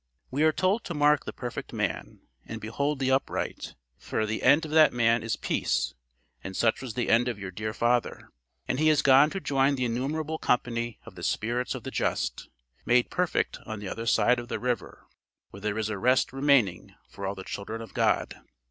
We are told to mark the perfect man, and behold the upright, for the end of that man is peace; and such was the end of your dear father, and he has gone to join the innumerable company of the spirits of the just, made perfect on the other side of the river, where there is a rest remaining for all the children of God.